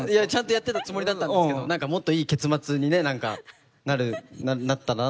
やってたつもりだったんですけどもっといい結末になったらなって。